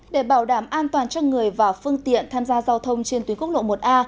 để bảo đảm an toàn cho người và phương tiện tham gia giao thông trên tuyến quốc lộ một a